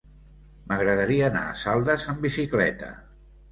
M'agradaria anar a Saldes amb bicicleta.